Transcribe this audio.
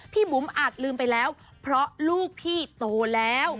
บุ๋มอาจลืมไปแล้วเพราะลูกพี่โตแล้ว